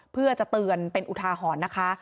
เพื่อจะเตือนเป็นอุทาหรณ์นะคะ